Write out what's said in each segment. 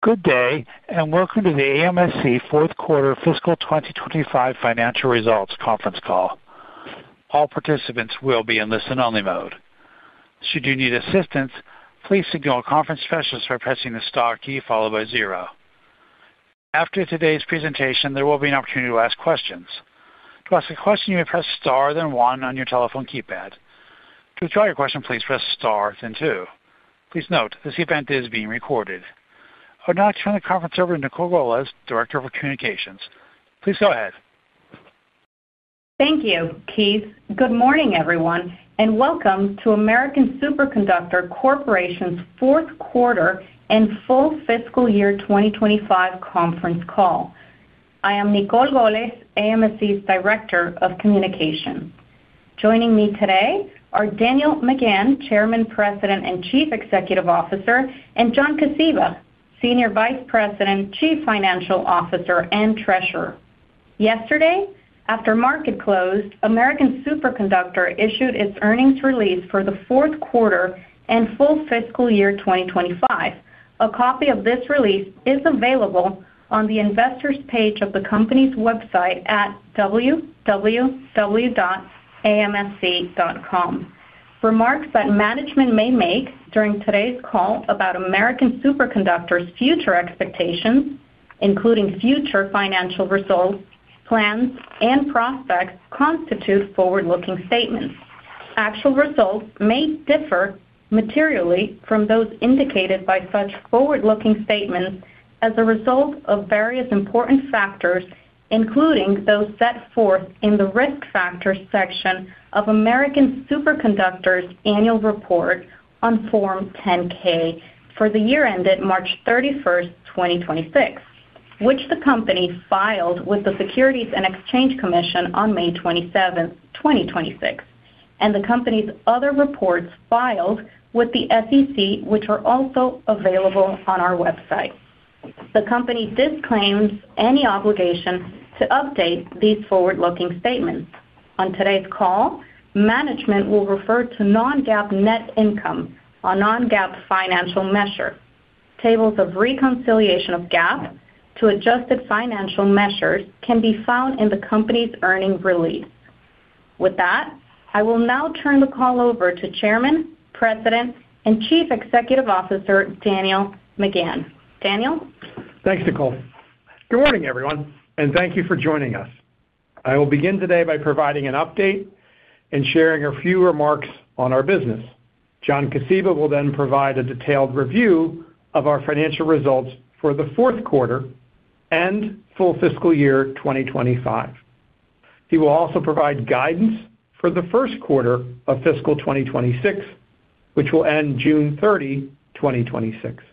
Good day. Welcome to the AMSC fourth quarter fiscal 2025 financial results conference call. All participants will be in listen only mode. Should you need assistance, please signal a conference specialist by pressing the star key followed by zero. After today's presentation, there will be an opportunity to ask questions. To ask a question, you may press star then one on your telephone keypad. To withdraw your question, please press star then two. Please note, this event is being recorded. I would now turn the conference over to Nicol Golez, Director of Communications. Please go ahead. Thank you, Keith. Good morning, everyone, and welcome to American Superconductor Corporation's fourth quarter and full fiscal year 2025 conference call. I am Nicol Golez, AMSC's Director of Communications. Joining me today are Daniel McGahn, Chairman, President, and Chief Executive Officer, and John Kosiba, Senior Vice President, Chief Financial Officer, and Treasurer. Yesterday, after market closed, American Superconductor issued its earnings release for the fourth quarter and full fiscal year 2025. A copy of this release is available on the investors page of the company's website at www.amsc.com. Remarks that management may make during today's call about American Superconductor's future expectations, including future financial results, plans, and prospects, constitute forward-looking statements. Actual results may differ materially from those indicated by such forward-looking statements as a result of various important factors, including those set forth in the Risk Factors section of American Superconductor's Annual Report on Form 10-K for the year ended March 31st, 2026, which the company filed with the Securities and Exchange Commission on May 27th, 2026, and the company's other reports filed with the SEC, which are also available on our website. The company disclaims any obligation to update these forward-looking statements. On today's call, management will refer to non-GAAP net income, a non-GAAP financial measure. Tables of reconciliation of GAAP to adjusted financial measures can be found in the company's earnings release. With that, I will now turn the call over to Chairman, President, and Chief Executive Officer, Daniel McGahn. Daniel? Thanks, Nicol. Good morning, everyone, and thank you for joining us. I will begin today by providing an update and sharing a few remarks on our business. John Kosiba will provide a detailed review of our financial results for the fourth quarter and full fiscal year 2025. He will also provide guidance for the first quarter of fiscal 2026, which will end June 30, 2026.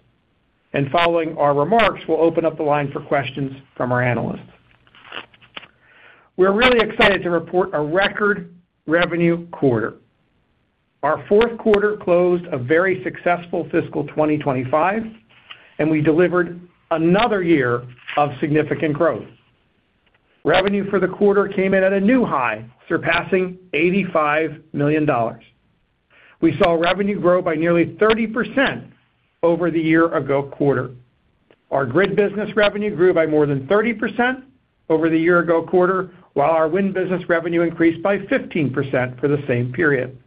Following our remarks, we'll open up the line for questions from our analysts. We're really excited to report a record revenue quarter. Our fourth quarter closed a very successful fiscal 2025, we delivered another year of significant growth. Revenue for the quarter came in at a new high, surpassing $85 million. We saw revenue grow by nearly 30% over the year ago quarter. Our grid business revenue grew by more than 30% over the year-ago quarter, while our wind business revenue increased by 15% for the same period.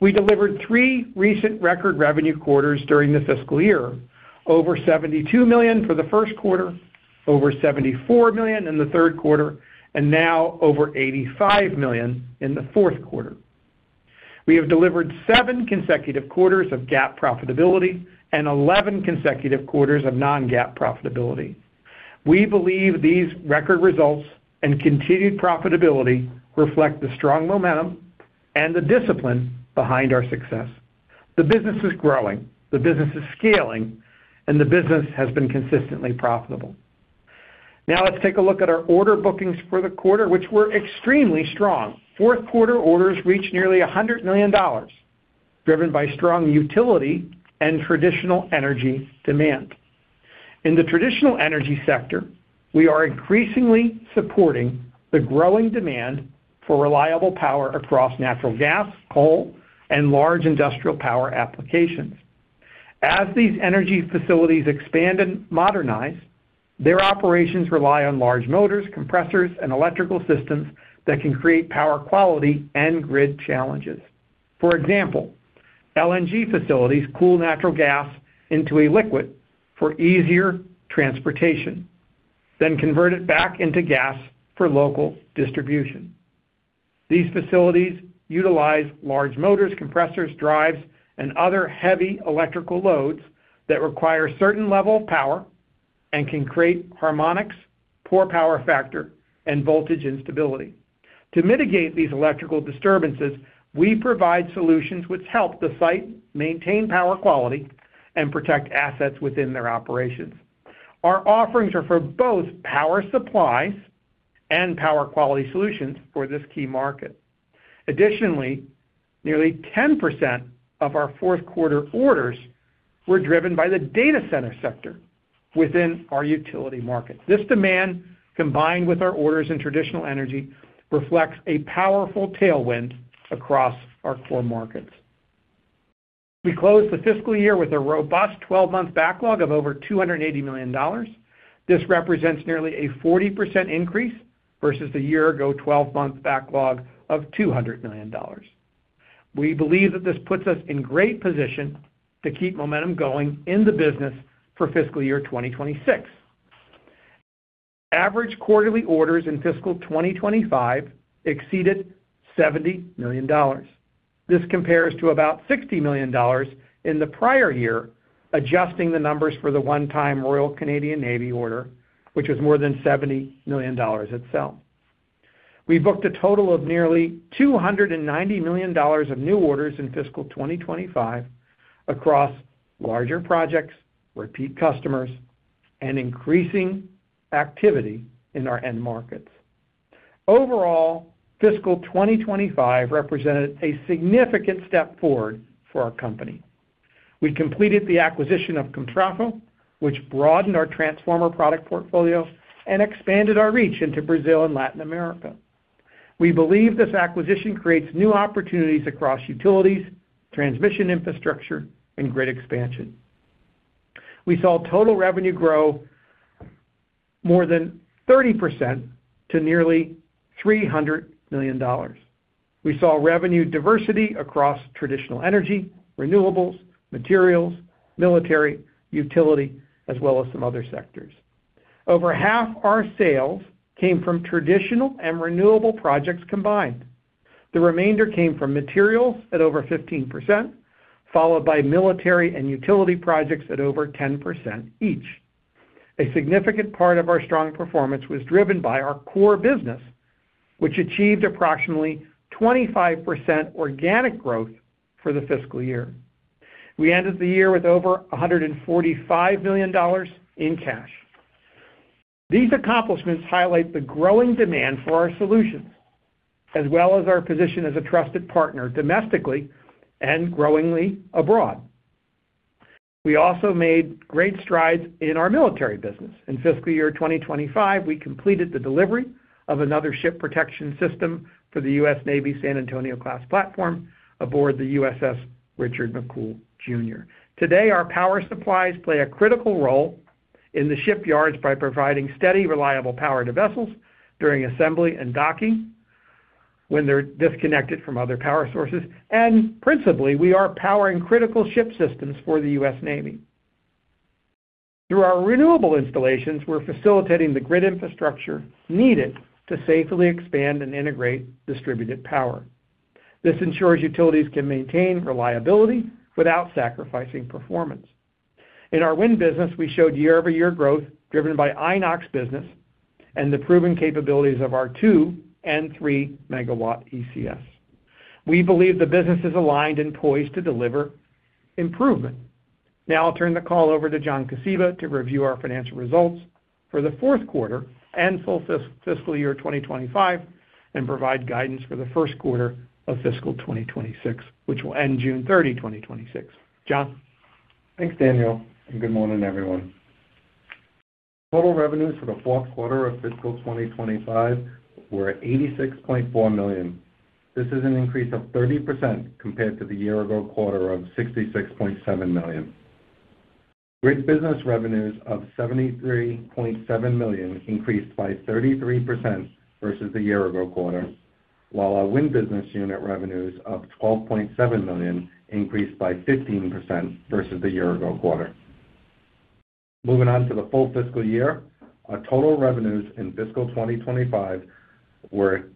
We delivered three recent record revenue quarters during the fiscal year, over $72 million for the first quarter, over $74 million in the third quarter, and now over $85 million in the fourth quarter. We have delivered seven consecutive quarters of GAAP profitability and 11 consecutive quarters of non-GAAP profitability. We believe these record results and continued profitability reflect the strong momentum and the discipline behind our success. The business is growing, the business is scaling, and the business has been consistently profitable. Let's take a look at our order bookings for the quarter, which were extremely strong. Fourth quarter orders reached nearly $100 million, driven by strong utility and traditional energy demand. In the traditional energy sector, we are increasingly supporting the growing demand for reliable power across natural gas, coal, and large industrial power applications. As these energy facilities expand and modernize, their operations rely on large motors, compressors, and electrical systems that can create power quality and grid challenges. For example, LNG facilities cool natural gas into a liquid for easier transportation, then convert it back into gas for local distribution. These facilities utilize large motors, compressors, drives, and other heavy electrical loads that require a certain level of power and can create harmonics, poor power factor, and voltage instability. To mitigate these electrical disturbances, we provide solutions which help the site maintain power quality and protect assets within their operations. Our offerings are for both power supplies and power quality solutions for this key market. Additionally, nearly 10% of our fourth quarter orders were driven by the data center sector. Within our utility markets. This demand, combined with our orders in traditional energy, reflects a powerful tailwind across our core markets. We closed the fiscal year with a robust 12-month backlog of over $280 million. This represents nearly a 40% increase versus the year-ago 12-month backlog of $200 million. We believe that this puts us in great position to keep momentum going in the business for fiscal year 2026. Average quarterly orders in fiscal 2025 exceeded $70 million. This compares to about $60 million in the prior year, adjusting the numbers for the one-time Royal Canadian Navy order, which was more than $70 million itself. We booked a total of nearly $290 million of new orders in fiscal 2025 across larger projects, repeat customers, and increasing activity in our end markets. Overall, fiscal 2025 represented a significant step forward for our company. We completed the acquisition of Comtrafo, which broadened our transformer product portfolio and expanded our reach into Brazil and Latin America. We believe this acquisition creates new opportunities across utilities, transmission infrastructure, and grid expansion. We saw total revenue grow more than 30% to nearly $300 million. We saw revenue diversity across traditional energy, renewables, materials, military, utility, as well as some other sectors. Over half our sales came from traditional and renewable projects combined. The remainder came from materials at over 15%, followed by military and utility projects at over 10% each. A significant part of our strong performance was driven by our core business, which achieved approximately 25% organic growth for the fiscal year. We ended the year with over $145 million in cash. These accomplishments highlight the growing demand for our solutions, as well as our position as a trusted partner domestically and growingly abroad. We also made great strides in our military business. In fiscal year 2025, we completed the delivery of another ship protection system for the U.S. Navy San Antonio class platform aboard the USS Richard M. McCool Jr. Today, our power supplies play a critical role in the shipyards by providing steady, reliable power to vessels during assembly and docking when they're disconnected from other power sources, and principally, we are powering critical ship systems for the U.S. Navy. Through our renewable installations, we're facilitating the grid infrastructure needed to safely expand and integrate distributed power. This ensures utilities can maintain reliability without sacrificing performance. In our wind business, we showed year-over-year growth driven by Inox Wind business and the proven capabilities of our 2MW and 3MW ECS. We believe the business is aligned and poised to deliver improvement. I'll turn the call over to John Kosiba to review our financial results for the fourth quarter and full fiscal year 2025 and provide guidance for the first quarter of fiscal 2026, which will end June 30, 2026. John? Thanks, Daniel. Good morning, everyone. Total revenues for the fourth quarter of fiscal 2025 were $86.4 million. This is an increase of 30% compared to the year-ago quarter of $66.7 million. Grid business revenues of $73.7 million increased by 33% versus the year-ago quarter, while our wind business unit revenues of $12.7 million increased by 15% versus the year-ago quarter. Moving on to the full fiscal year, our total revenues in fiscal 2025 were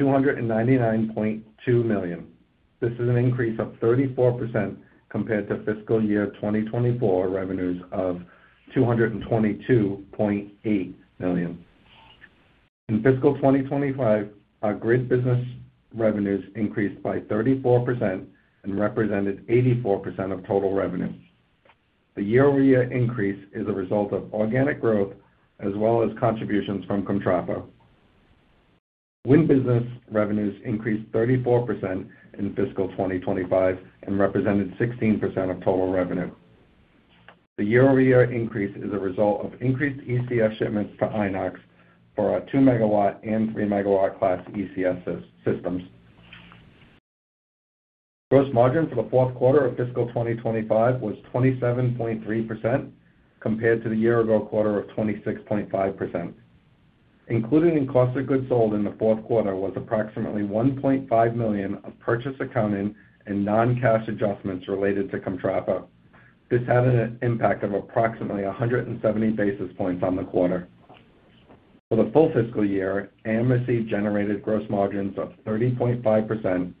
$299.2 million. This is an increase of 34% compared to fiscal year 2024 revenues of $222.8 million. In fiscal 2025, our grid business revenues increased by 34% and represented 84% of total revenue. The year-over-year increase is a result of organic growth as well as contributions from Comtrafo. Wind business revenues increased 34% in fiscal 2025 and represented 16% of total revenue. The year-over-year increase is a result of increased ECS shipments to Inox for our 2MW and 3MW class ECS systems. Gross margin for the fourth quarter of fiscal year 2025 was 27.3% compared to the year-ago quarter of 26.5%. Included in cost of goods sold in the fourth quarter was approximately $1.5 million of purchase accounting and non-cash adjustments related to Comtrafo. This had an impact of approximately 170 basis points on the quarter. For the full fiscal year, AMSC generated gross margins of 30.5%.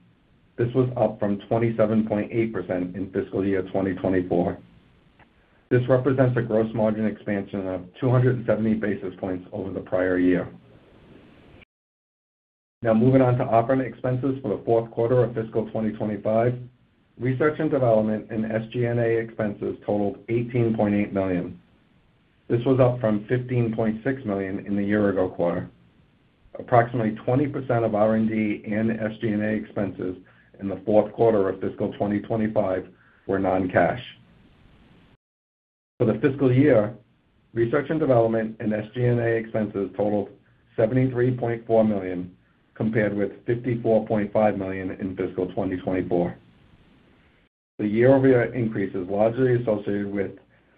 This was up from 27.8% in fiscal year 2024. This represents a gross margin expansion of 270 basis points over the prior year. Moving on to operating expenses for the fourth quarter of fiscal year 2025. Research and development and SG&A expenses totaled $18.8 million. This was up from $15.6 million in the year ago quarter. Approximately 20% of R&D and SG&A expenses in the fourth quarter of fiscal 2025 were non-cash. For the fiscal year, research and development and SG&A expenses totaled $73.4 million, compared with $54.5 million in fiscal 2024. The year-over-year increase is largely associated with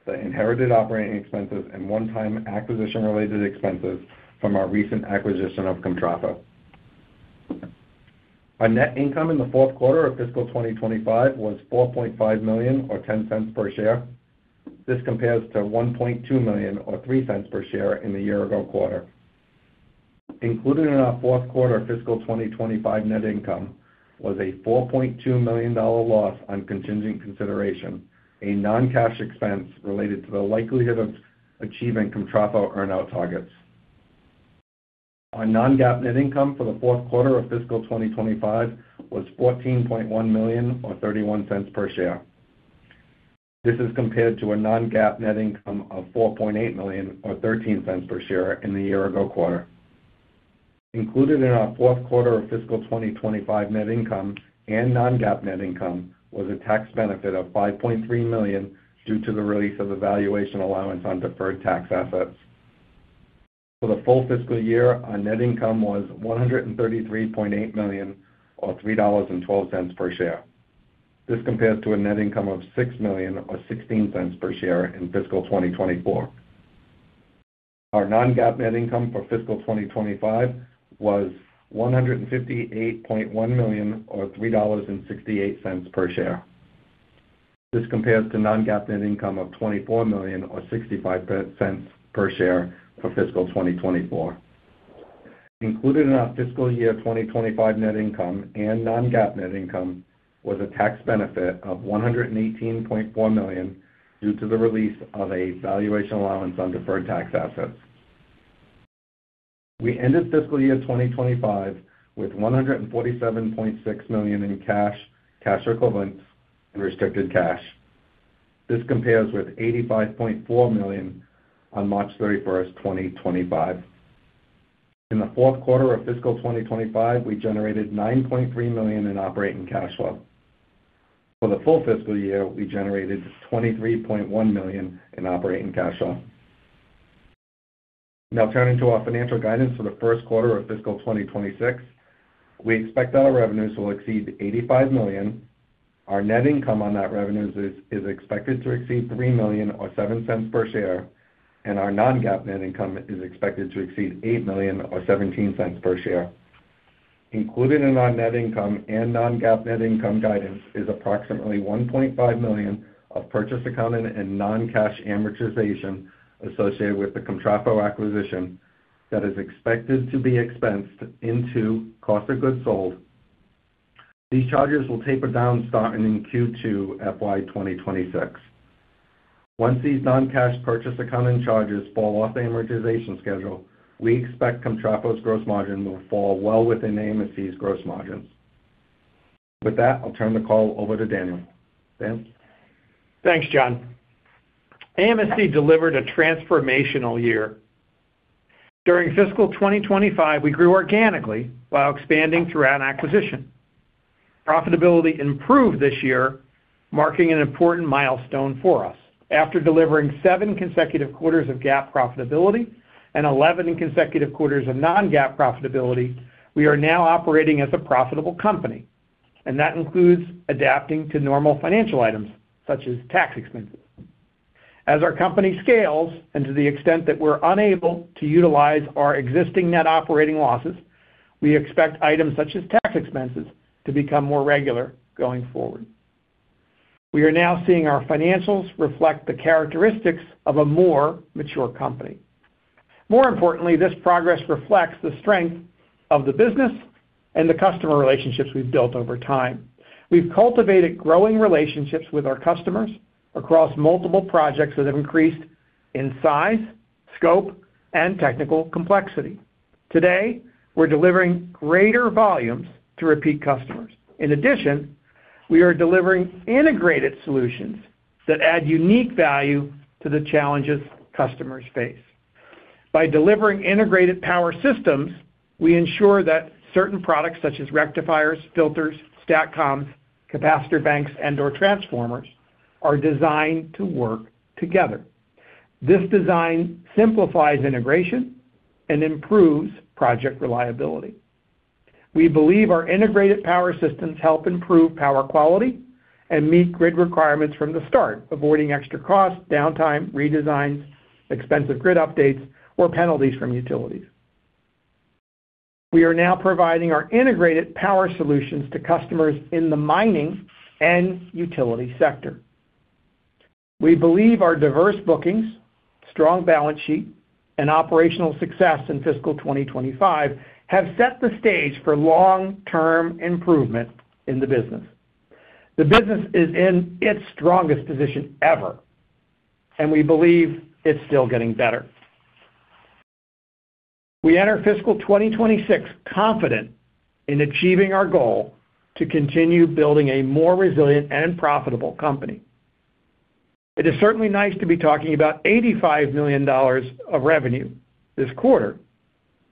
the inherited operating expenses and one-time acquisition-related expenses from our recent acquisition of Comtrafo. Our net income in the fourth quarter of fiscal 2025 was $4.5 million, or $0.10 per share. This compares to $1.2 million or $0.03 per share in the year ago quarter. Included in our fourth quarter fiscal 2025 net income was a $4.2 million loss on contingent consideration, a non-cash expense related to the likelihood of achieving Comtrafo earn-out targets. Our non-GAAP net income for the fourth quarter of fiscal 2025 was $14.1 million, or $0.31 per share. This is compared to a non-GAAP net income of $4.8 million, or $0.13 per share in the year ago quarter. Included in our fourth quarter of fiscal 2025 net income and non-GAAP net income was a tax benefit of $5.3 million due to the release of a valuation allowance on deferred tax assets. For the full fiscal year, our net income was $133.8 million or $3.12 per share. This compares to a net income of $6 million or $0.16 per share in fiscal 2024. Our non-GAAP net income for fiscal 2025 was $158.1 million or $3.68 per share. This compares to non-GAAP net income of $24 million or $0.65 per share for FY 2024. Included in our FY 2025 net income and non-GAAP net income was a tax benefit of $118.4 million due to the release of a valuation allowance on deferred tax assets. We ended fiscal year 2025 with $147.6 million in cash equivalents, and restricted cash. This compares with $85.4 million on March 31st, 2025. In the fourth quarter of fiscal 2025, we generated $9.3 million in operating cash flow. For the full fiscal year, we generated $23.1 million in operating cash flow. Now turning to our financial guidance for the first quarter of fiscal 2026. We expect that our revenues will exceed $85 million. Our net income on that revenues is expected to exceed $3 million or $0.07 per share, and our non-GAAP net income is expected to exceed $8 million or $0.17 per share. Included in our net income and non-GAAP net income guidance is approximately $1.5 million of purchase accounting and non-cash amortization associated with the Comtrafo acquisition that is expected to be expensed into cost of goods sold. These charges will taper down starting in Q2 FY 2026. Once these non-cash purchase accounting charges fall off the amortization schedule, we expect Comtrafo's gross margin will fall well within AMSC's gross margins. With that, I'll turn the call over to Daniel. Dan? Thanks, John. AMSC delivered a transformational year. During fiscal 2025, we grew organically while expanding through an acquisition. Profitability improved this year, marking an important milestone for us. After delivering seven consecutive quarters of GAAP profitability and 11 consecutive quarters of non-GAAP profitability, we are now operating as a profitable company, and that includes adapting to normal financial items such as tax expenses. As our company scales, and to the extent that we're unable to utilize our existing net operating losses, we expect items such as tax expenses to become more regular going forward. We are now seeing our financials reflect the characteristics of a more mature company. More importantly, this progress reflects the strength of the business and the customer relationships we've built over time. We've cultivated growing relationships with our customers across multiple projects that have increased in size, scope, and technical complexity. Today, we're delivering greater volumes to repeat customers. In addition, we are delivering integrated solutions that add unique value to the challenges customers face. By delivering integrated power systems, we ensure that certain products such as rectifiers, filters, STATCOMs, capacitor banks, and/or transformers are designed to work together. This design simplifies integration and improves project reliability. We believe our integrated power systems help improve power quality and meet grid requirements from the start, avoiding extra costs, downtime, redesigns, expensive grid updates, or penalties from utilities. We are now providing our integrated power solutions to customers in the mining and utility sector. We believe our diverse bookings, strong balance sheet, and operational success in fiscal 2025 have set the stage for long-term improvement in the business. The business is in its strongest position ever, and we believe it's still getting better. We enter fiscal 2026 confident in achieving our goal to continue building a more resilient and profitable company. It is certainly nice to be talking about $85 million of revenue this quarter,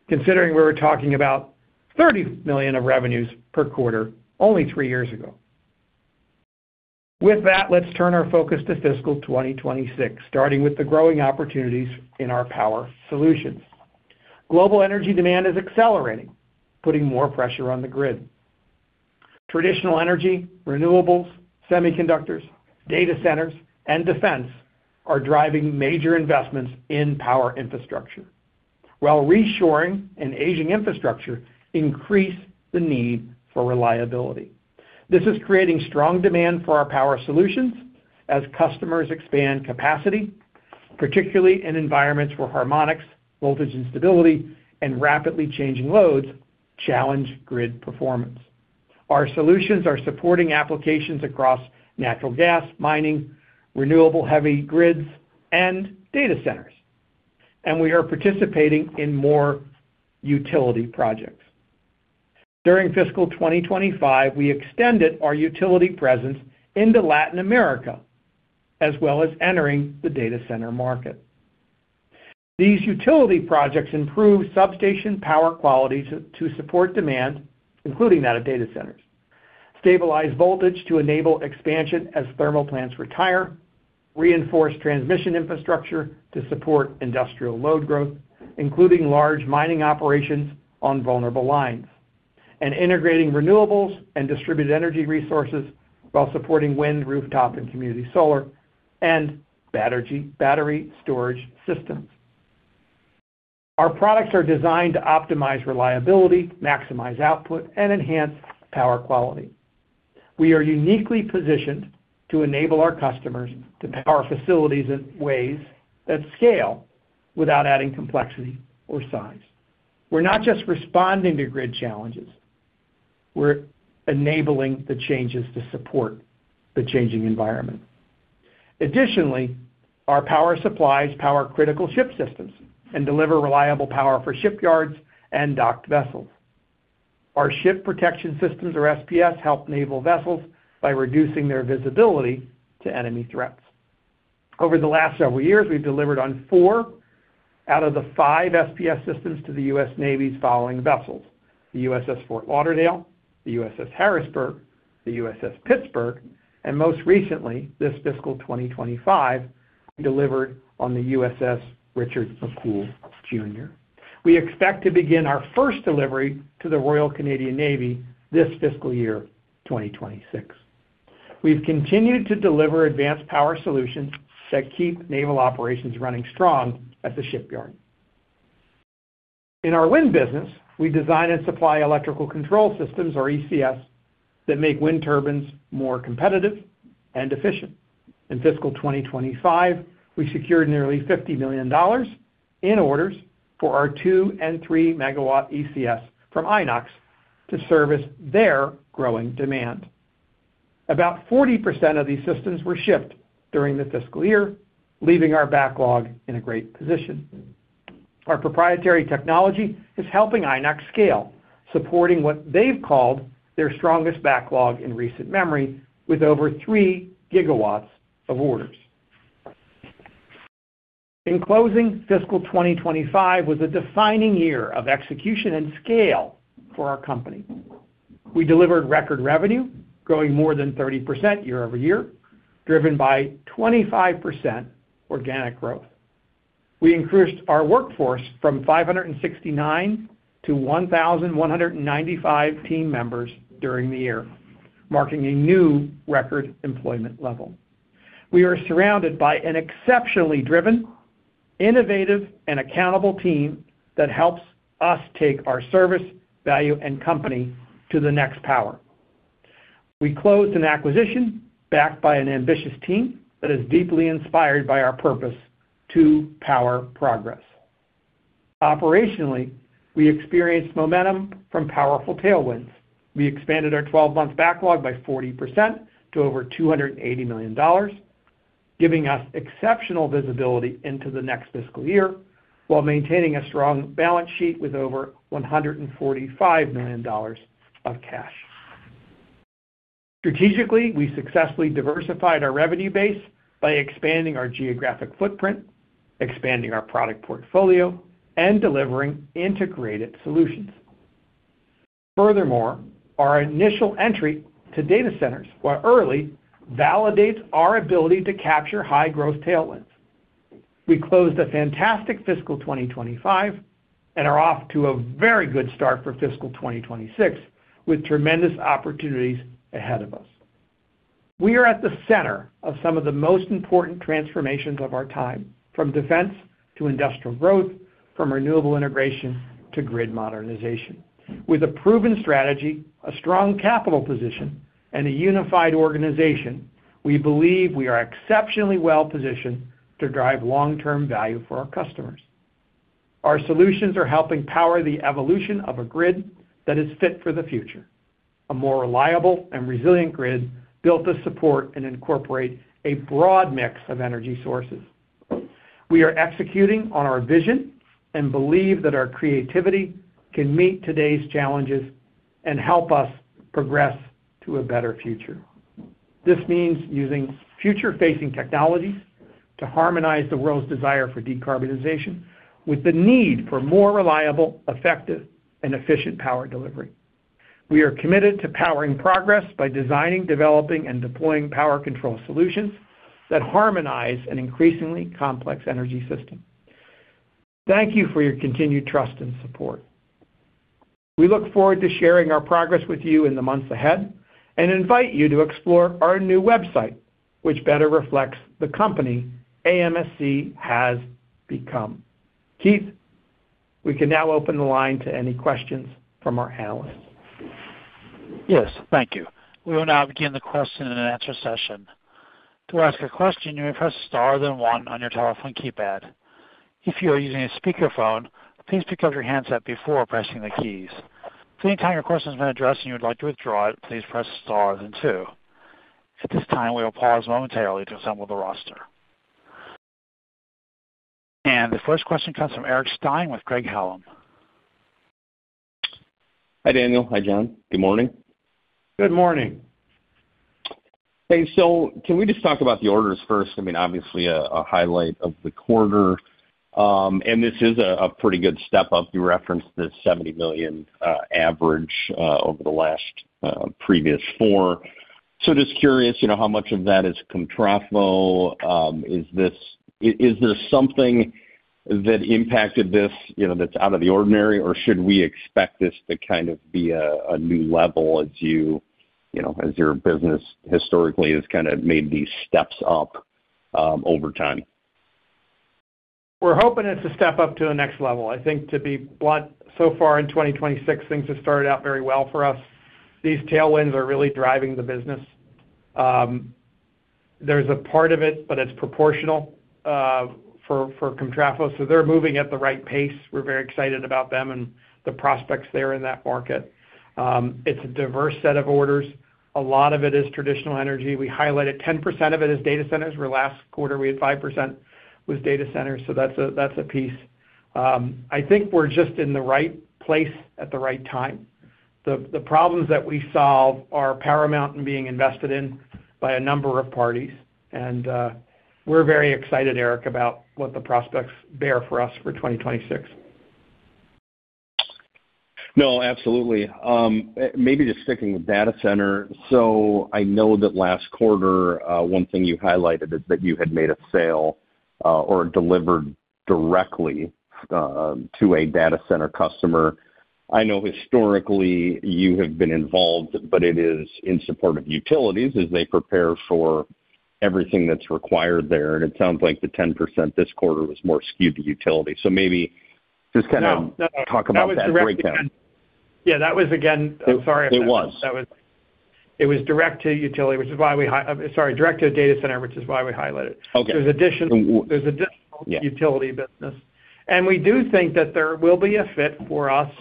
considering we were talking about $30 million of revenues per quarter only three years ago. With that, let's turn our focus to fiscal 2026, starting with the growing opportunities in our power solutions. Global energy demand is accelerating, putting more pressure on the grid. Traditional energy, renewables, semiconductors, data centers, and defense are driving major investments in power infrastructure, while reshoring and aging infrastructure increase the need for reliability. This is creating strong demand for our power solutions as customers expand capacity, particularly in environments where harmonics, voltage instability, and rapidly changing loads challenge grid performance. Our solutions are supporting applications across natural gas, mining, renewable heavy grids, and data centers, and we are participating in more utility projects. During fiscal 2025, we extended our utility presence into Latin America, as well as entering the data center market. These utility projects improve substation power quality to support demand, including that of data centers, stabilize voltage to enable expansion as thermal plants retire, reinforce transmission infrastructure to support industrial load growth, including large mining operations on vulnerable lines, and integrating renewables and distributed energy resources while supporting wind, rooftop, and community solar and battery storage systems. Our products are designed to optimize reliability, maximize output, and enhance power quality. We are uniquely positioned to enable our customers to power facilities in ways that scale without adding complexity or size. We're not just responding to grid challenges, we're enabling the changes to support the changing environment. Additionally, our power supplies power critical ship systems and deliver reliable power for shipyards and docked vessels. Our ship protection systems, or SPS, help naval vessels by reducing their visibility to enemy threats. Over the last several years, we've delivered on four out of the five SPS systems to the U.S. Navy's following vessels: the USS Fort Lauderdale, the USS Harrisburg, the USS Pittsburgh, and most recently, this fiscal 2025, we delivered on the USS Richard M. McCool Jr. We expect to begin our first delivery to the Royal Canadian Navy this fiscal year 2026. We've continued to deliver advanced power solutions that keep naval operations running strong at the shipyard. In our wind business, we design and supply Electrical Control Systems, or ECS, that make wind turbines more competitive and efficient. In fiscal 2025, we secured nearly $50 million in orders for our 2MW and 3MW ECS from Inox to service their growing demand. About 40% of these systems were shipped during the fiscal year, leaving our backlog in a great position. Our proprietary technology is helping Inox scale, supporting what they've called their strongest backlog in recent memory, with over 3GW of orders. In closing, fiscal 2025 was a defining year of execution and scale for our company. We delivered record revenue, growing more than 30% year-over-year, driven by 25% organic growth. We increased our workforce from 569-1,195 team members during the year, marking a new record employment level. We are surrounded by an exceptionally driven, innovative, and accountable team that helps us take our service, value, and company to the next power. We closed an acquisition backed by an ambitious team that is deeply inspired by our purpose to power progress. Operationally, we experienced momentum from powerful tailwinds. We expanded our 12-month backlog by 40% to over $280 million, giving us exceptional visibility into the next fiscal year while maintaining a strong balance sheet with over $145 million of cash. Strategically, we successfully diversified our revenue base by expanding our geographic footprint, expanding our product portfolio, and delivering integrated solutions. Furthermore, our initial entry to data centers, while early, validates our ability to capture high-growth tailwinds. We closed a fantastic fiscal 2025 and are off to a very good start for fiscal 2026 with tremendous opportunities ahead of us. We are at the center of some of the most important transformations of our time, from defense to industrial growth, from renewable integration to grid modernization. With a proven strategy, a strong capital position, and a unified organization, we believe we are exceptionally well-positioned to drive long-term value for our customers. Our solutions are helping power the evolution of a grid that is fit for the future, a more reliable and resilient grid built to support and incorporate a broad mix of energy sources. We are executing on our vision and believe that our creativity can meet today's challenges. Help us progress to a better future. This means using future-facing technologies to harmonize the world's desire for decarbonization with the need for more reliable, effective, and efficient power delivery. We are committed to powering progress by designing, developing, and deploying power control solutions that harmonize an increasingly complex energy system. Thank you for your continued trust and support. We look forward to sharing our progress with you in the months ahead and invite you to explore our new website, which better reflects the company AMSC has become. Keith, we can now open the line to any questions from our analysts. Yes. Thank you. We will now begin the question-and-answer session. To ask a question, you may press star then one on your telephone keypad. If you are using a speakerphone, please pick up your handset before pressing the keys. If any time your question has been addressed and you would like to withdraw it, please press star then two. At this time, we will pause momentarily to assemble the roster. The first question comes from Eric Stine with Craig-Hallum. Hi, Daniel. Hi, John. Good morning. Good morning. Hey, can we just talk about the orders first? Obviously, a highlight of the quarter, and this is a pretty good step up. You referenced the $70 million average over the last previous four. Just curious, how much of that is Comtrafo? Is there something that impacted this that's out of the ordinary, or should we expect this to kind of be a new level as your business historically has kind of made these steps up over time? We're hoping it's a step up to the next level. I think to be blunt, so far in 2026, things have started out very well for us. These tailwinds are really driving the business. There's a part of it, but it's proportional for Comtrafo. They're moving at the right pace. We're very excited about them and the prospects there in that market. It's a diverse set of orders. A lot of it is traditional energy. We highlighted 10% of it as data centers, where last quarter we had 5% was data centers, so that's a piece. I think we're just in the right place at the right time. The problems that we solve are paramount in being invested in by a number of parties. We're very excited, Eric, about what the prospects bear for us for 2026. No, absolutely. Maybe just sticking with data center. I know that last quarter, one thing you highlighted is that you had made a sale or delivered directly to a data center customer. I know historically you have been involved, it is in support of utilities as they prepare for everything that's required there, and it sounds like the 10% this quarter was more skewed to utility. No. Talk about that breakdown. Yeah, that was. I'm sorry. It was. It was direct to utility, Sorry, direct to a data center, which is why we highlight it. Okay. There's additional utility business. We do think that there will be a fit for us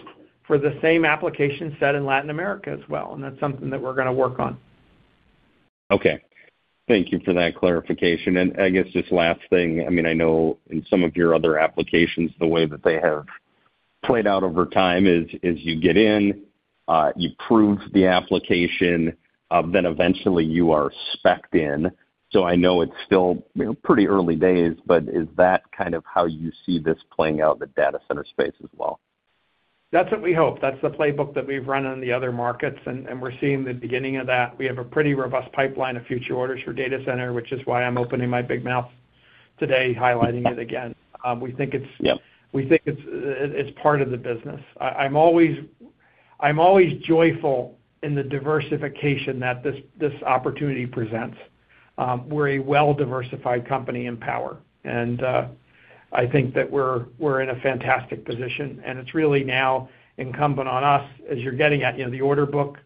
for the same application set in Latin America as well, and that's something that we're going to work on. Okay. Thank you for that clarification. I guess just last thing, I know in some of your other applications, the way that they have played out over time is you get in, you prove the application, then eventually you are specced in. I know it's still pretty early days, but is that kind of how you see this playing out in the data center space as well? That's what we hope. That's the playbook that we've run in the other markets, and we're seeing the beginning of that. We have a pretty robust pipeline of future orders for data center, which is why I'm opening my big mouth today highlighting it again. Yep. We think it's part of the business. I'm always joyful in the diversification that this opportunity presents. We're a well-diversified company in power, and I think that we're in a fantastic position, and it's really now incumbent on us as you're getting at the order book,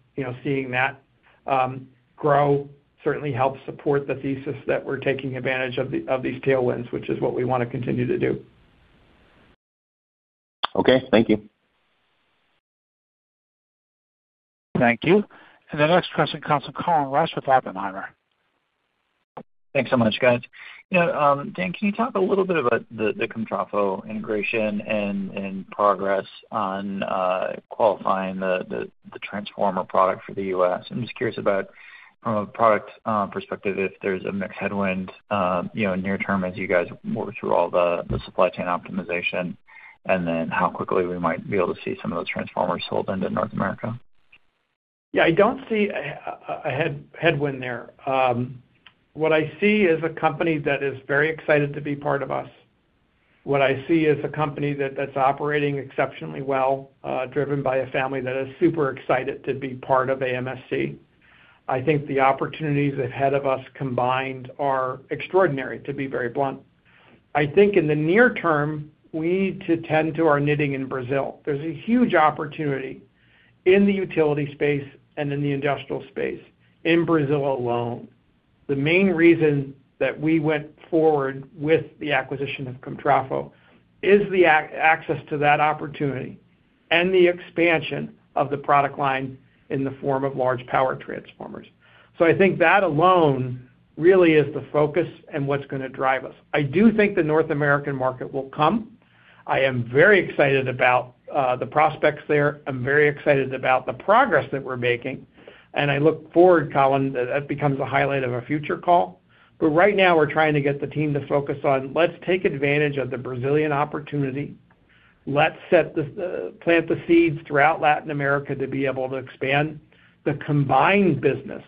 seeing that grow certainly helps support the thesis that we're taking advantage of these tailwinds, which is what we want to continue to do. Okay. Thank you. Thank you. The next question comes from Colin Rusch with Oppenheimer. Thanks so much, guys. Dan, can you talk a little bit about the Comtrafo integration and progress on qualifying the transformer product for the U.S.? I'm just curious about from a product perspective, if there's a mixed headwind, near term as you guys work through all the supply chain optimization, and then how quickly we might be able to see some of those transformers sold into North America. Yeah, I don't see a headwind there. What I see is a company that is very excited to be part of us. What I see is a company that's operating exceptionally well, driven by a family that is super excited to be part of AMSC. I think the opportunities ahead of us combined are extraordinary, to be very blunt. I think in the near term, we need to tend to our knitting in Brazil. There's a huge opportunity in the utility space and in the industrial space in Brazil alone. The main reason that we went forward with the acquisition of Comtrafo is the access to that opportunity and the expansion of the product line in the form of large power transformers. I think that alone really is the focus and what's going to drive us. I do think the North American market will come. I am very excited about the prospects there. I'm very excited about the progress that we're making. I look forward, Colin Rusch, that becomes a highlight of a future call. Right now, we're trying to get the team to focus on let's take advantage of the Brazilian opportunity. Let's plant the seeds throughout Latin America to be able to expand the combined business,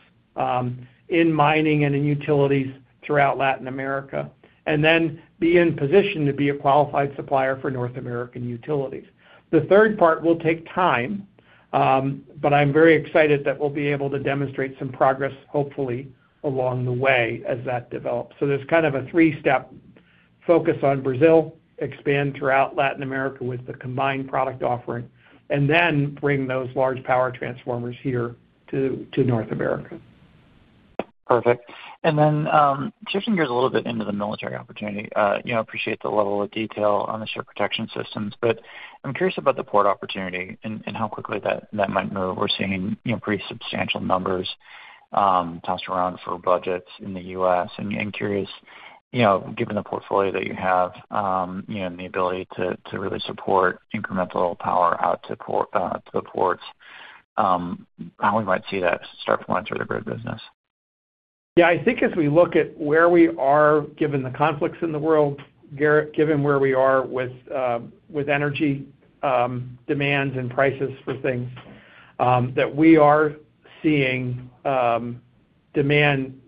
in mining and in utilities throughout Latin America, then be in position to be a qualified supplier for North American utilities. The third part will take time. I'm very excited that we'll be able to demonstrate some progress, hopefully, along the way as that develops. There's kind of a three-step focus on Brazil, expand throughout Latin America with the combined product offering, then bring those large power transformers here to North America. Perfect. Shifting gears a little bit into the military opportunity, appreciate the level of detail on the ship protection systems, but I'm curious about the port opportunity and how quickly that might move. We're seeing pretty substantial numbers, tossed around for budgets in the U.S., curious, given the portfolio that you have, and the ability to really support incremental power out to the ports, how we might see that start to launch for the grid business. Yeah, I think as we look at where we are, given the conflicts in the world, Garrett, given where we are with energy demands and prices for things, that we are seeing demand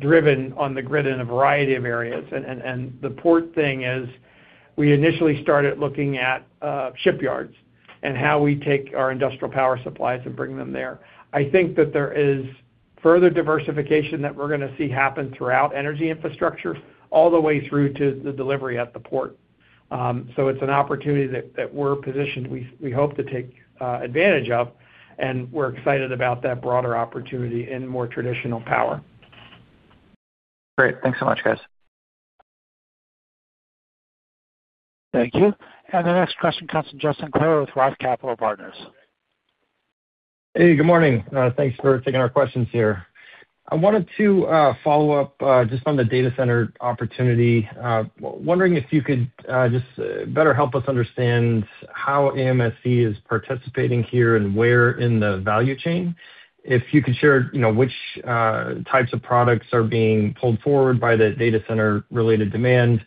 driven on the grid in a variety of areas. The port thing is we initially started looking at shipyards and how we take our industrial power supplies and bring them there. I think that there is further diversification that we're going to see happen throughout energy infrastructure all the way through to the delivery at the port. It's an opportunity that we're positioned we hope to take advantage of, and we're excited about that broader opportunity in more traditional power. Great. Thanks so much, guys. Thank you. The next question comes from Justin Clare with ROTH Capital Partners. Hey, good morning. Thanks for taking our questions here. I wanted to follow up just on the data center opportunity. Wondering if you could just better help us understand how AMSC is participating here and where in the value chain. If you could share which types of products are being pulled forward by the data center related demand.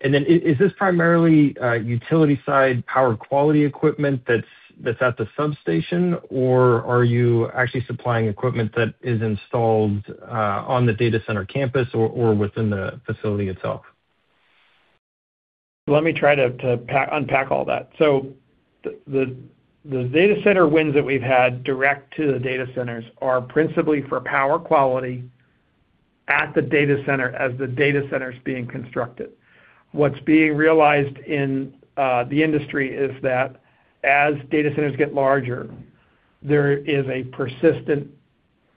Is this primarily utility side power quality equipment that's at the substation, or are you actually supplying equipment that is installed on the data center campus or within the facility itself? Let me try to unpack all that. The data center wins that we've had direct to the data centers are principally for power quality at the data center as the data center's being constructed. What's being realized in the industry is that as data centers get larger, there is a persistent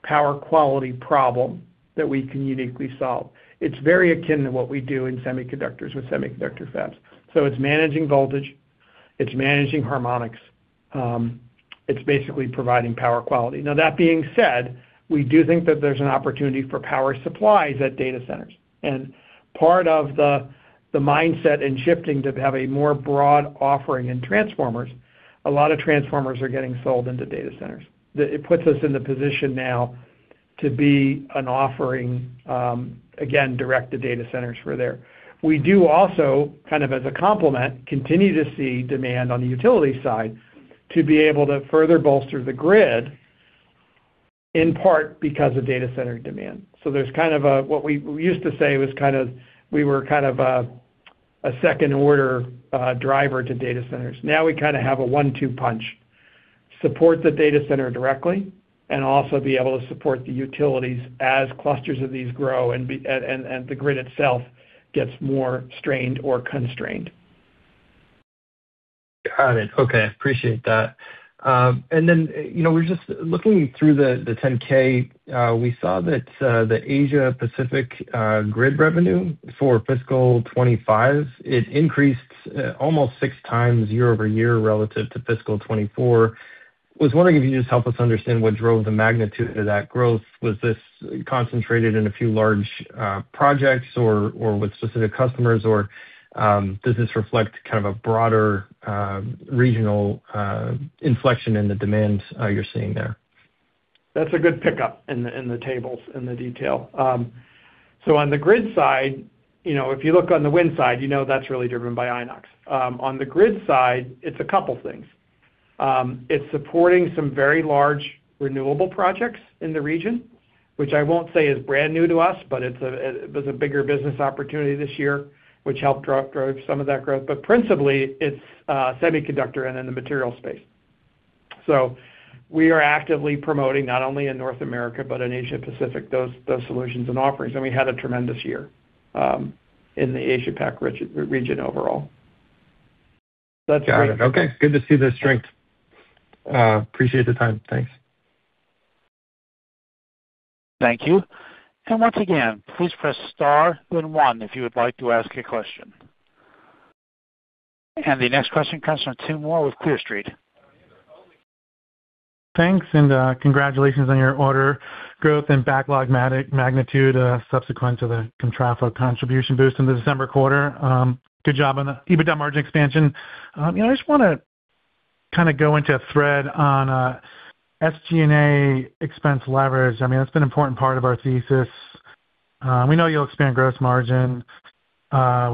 power quality problem that we can uniquely solve. It's very akin to what we do in semiconductors with semiconductor fabs. It's managing voltage, it's managing harmonics, it's basically providing power quality. Now, that being said, we do think that there's an opportunity for power supplies at data centers. Part of the mindset in shifting to have a more broad offering in transformers, a lot of transformers are getting sold into data centers. It puts us in the position now to be an offering, again, direct to data centers for there. We do also kind of as a complement, continue to see demand on the utility side to be able to further bolster the grid, in part because of data center demand. There's kind of what we used to say was we were kind of a second-order driver to data centers. Now we kind of have a one-two punch, support the data center directly and also be able to support the utilities as clusters of these grow and the grid itself gets more strained or constrained. Got it. Okay, appreciate that. We're just looking through the 10-K. We saw that the Asia Pacific grid revenue for fiscal 2025, it increased almost six times year-over-year relative to fiscal 2024. Was wondering if you could just help us understand what drove the magnitude of that growth. Was this concentrated in a few large projects or with specific customers, or does this reflect kind of a broader regional inflection in the demand you're seeing there? That's a good pickup in the tables, in the detail. On the grid side, if you look on the wind side, you know that's really driven by Inox. On the grid side, it's a couple things. It's supporting some very large renewable projects in the region, which I won't say is brand new to us, but it was a bigger business opportunity this year, which helped drive some of that growth. Principally, it's semiconductor and in the material space. We are actively promoting, not only in North America but in Asia Pacific, those solutions and offerings. We had a tremendous year in the Asia Pac region overall. Got it. Okay. Good to see the strength. Appreciate the time. Thanks. Thank you. Once again, please press star and one if you would like to ask a question. The next question comes from Tim Moore with Clear Street. Thanks, congratulations on your order growth and backlog magnitude subsequent to the Comtrafo contribution boost in the December quarter. Good job on the EBITDA margin expansion. I just want to go into a thread on SG&A expense leverage. That's been an important part of our thesis. We know you'll expand gross margin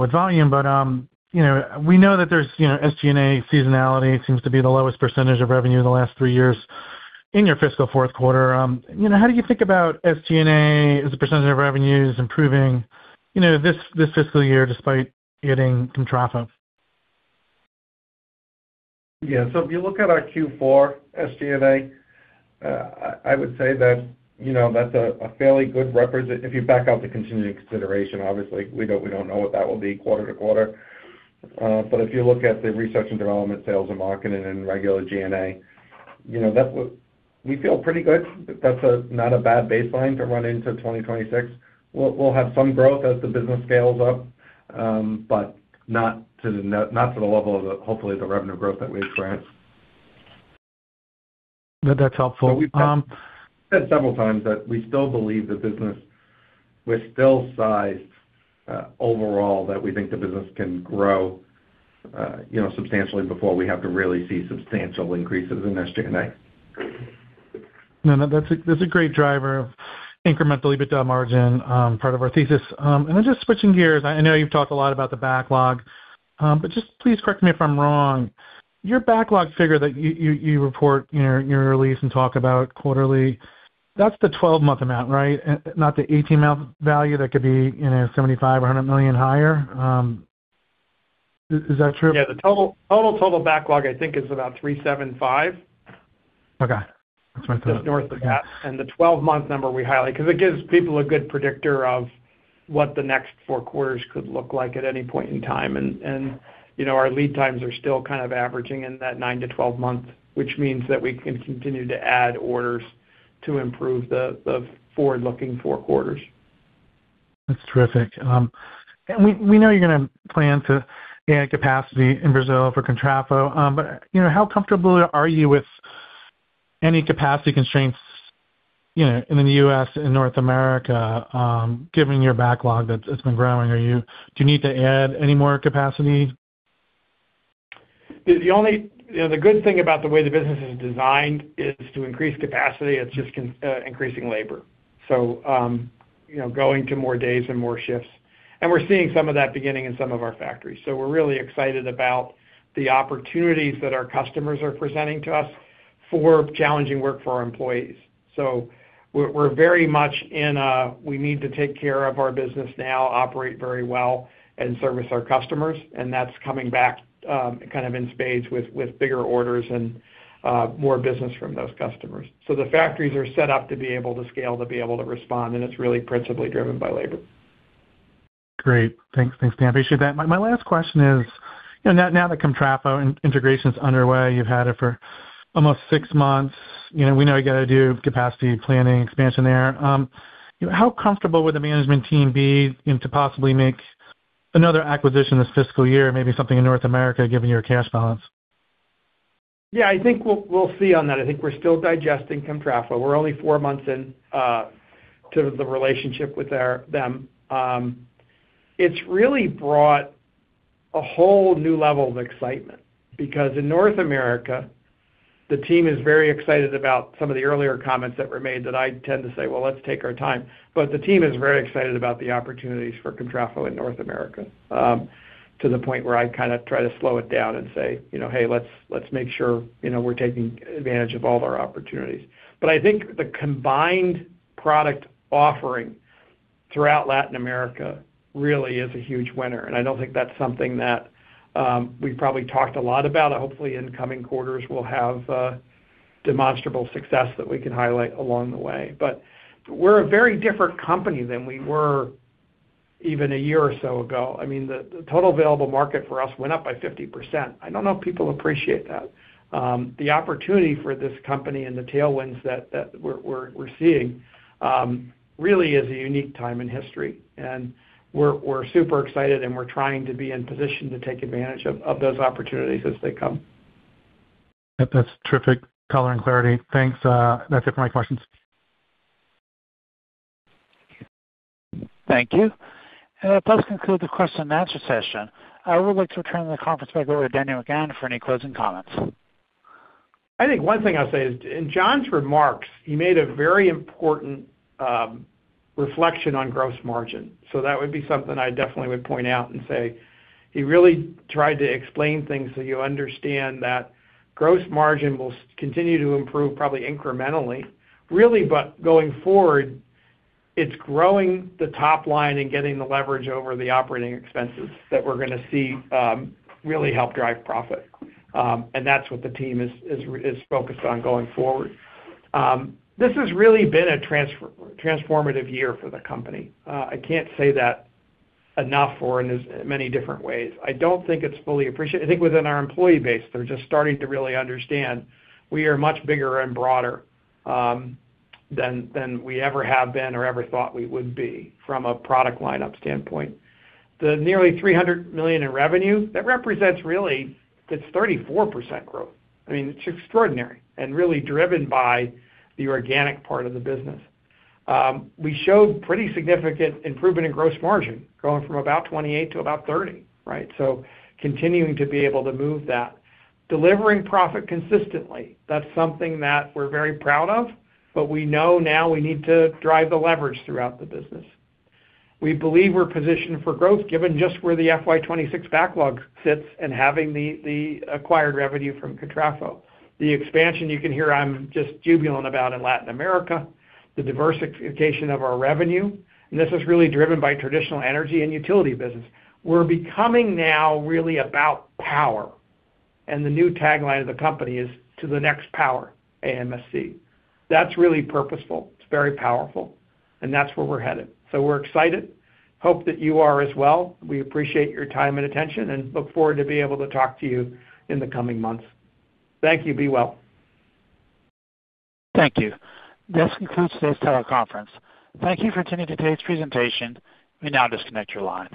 with volume, we know that there's SG&A seasonality. It seems to be the lowest % of revenue in the last three years in your fiscal fourth quarter. How do you think about SG&A as a % of revenues improving this fiscal year despite getting Comtrafo? If you look at our Q4 SG&A, I would say that's a fairly good representation. If you back out the continuing consideration, obviously, we don't know what that will be quarter to quarter. If you look at the R&D, sales and marketing, and regular G&A, we feel pretty good. That's not a bad baseline to run into 2026. We'll have some growth as the business scales up, but not to the level of, hopefully, the revenue growth that we get. That's helpful. We've said several times that we still believe the business, we're still sized, overall, that we think the business can grow substantially before we have to really see substantial increases in SG&A. No, that's a great driver of incremental EBITDA margin, part of our thesis. Just switching gears, I know you've talked a lot about the backlog, but just please correct me if I'm wrong. Your backlog figure that you report in your release and talk about quarterly, that's the 12-month amount, right? Not the 18-month value that could be $75 million or $100 million higher. Is that true? Yeah. The total backlog, I think, is about $375. Okay. That's what I thought. Just north of that. The 12-month number we highlight, because it gives people a good predictor of what the next four quarters could look like at any point in time. Our lead times are still averaging in that nine to 12 months, which means that we can continue to add orders to improve the forward-looking four quarters. That's terrific. We know you're going to plan to add capacity in Brazil for Comtrafo, but how comfortable are you with any capacity constraints in the U.S., in North America, given your backlog that's been growing? Do you need to add any more capacity? The good thing about the way the business is designed is to increase capacity, it's just increasing labor. Going to more days and more shifts. We're seeing some of that beginning in some of our factories. We're really excited about the opportunities that our customers are presenting to us for challenging work for our employees. We're very much in a we need to take care of our business now, operate very well, and service our customers, and that's coming back in spades with bigger orders and more business from those customers. The factories are set up to be able to scale, to be able to respond, and it's really principally driven by labor. Great. Thanks. Thanks for sharing that. My last question is, now that Comtrafo integration is underway, you've had it for almost six months. We know you got to do capacity planning expansion there. How comfortable would the management team be to possibly make another acquisition this fiscal year, maybe something in North America, given your cash balance? Yeah, I think we'll see on that. I think we're still digesting Comtrafo. We're only four months in to the relationship with them. It's really brought a whole new level of excitement because in North America, the team is very excited about some of the earlier comments that were made that I tend to say, "Well, let's take our time." The team is very excited about the opportunities for Comtrafo in North America, to the point where I try to slow it down and say, "Hey, let's make sure we're taking advantage of all of our opportunities." I think the combined product offering throughout Latin America really is a huge winner, and I don't think that's something that we've probably talked a lot about. Hopefully, in coming quarters, we'll have demonstrable success that we can highlight along the way. We're a very different company than we were even a year or so ago. The total available market for us went up by 50%. I don't know if people appreciate that. The opportunity for this company and the tailwinds that we're seeing really is a unique time in history, and we're super excited, and we're trying to be in position to take advantage of those opportunities as they come. That's terrific color and clarity. Thanks. That's it for my questions. Thank you. That does conclude the question-and answer session. I would like to turn the conference back over to Daniel McGahn for any closing comments. I think one thing I'll say is, in John's remarks, he made a very important reflection on gross margin. That would be something I definitely would point out and say he really tried to explain things so you understand that gross margin will continue to improve probably incrementally, really, but going forward, it's growing the top line and getting the leverage over the operating expenses that we're going to see really help drive profit. That's what the team is focused on going forward. This has really been a transformative year for the company. I can't say that enough or in as many different ways. I don't think it's fully appreciated. I think within our employee base, they're just starting to really understand we are much bigger and broader than we ever have been or ever thought we would be from a product lineup standpoint. The nearly $300 million in revenue, that represents really, that's 34% growth. It's extraordinary and really driven by the organic part of the business. We showed pretty significant improvement in gross margin, going from about 28% to about 30%, right? Continuing to be able to move that. Delivering profit consistently, that's something that we're very proud of, we know now we need to drive the leverage throughout the business. We believe we're positioned for growth given just where the FY 2026 backlog sits and having the acquired revenue from Comtrafo. The expansion you can hear I'm just jubilant about in Latin America, the diversification of our revenue, this is really driven by traditional energy and utility business. We're becoming now really about power, the new tagline of the company is to the next power, AMSC. That's really purposeful. It's very powerful, that's where we're headed. We're excited. Hope that you are as well. We appreciate your time and attention and look forward to be able to talk to you in the coming months. Thank you. Be well. Thank you. This concludes today's teleconference. Thank you for attending today's presentation. You may now disconnect your lines.